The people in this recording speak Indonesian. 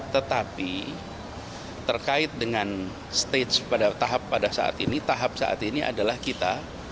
tetapi terkait dengan tahap saat ini adalah kita